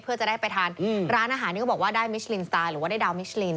เพื่อจะได้ไปทานร้านอาหารที่เขาบอกว่าได้มิชลินสไตล์หรือว่าได้ดาวมิชลิน